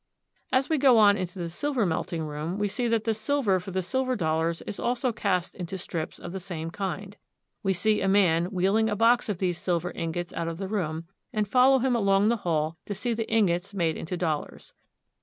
As we go on into the silver melting room we see that the silver for the silver dollars is also cast into strips of the same kind. We see a man wheeling a box of these silver ingots out of the room, and follow him along the hall to see the ingots made into dollars.